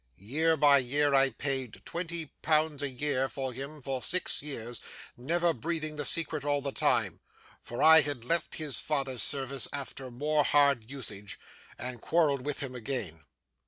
Year by year, I paid twenty pounds a year for him for six years; never breathing the secret all the time; for I had left his father's service after more hard usage, and quarrelled with him again.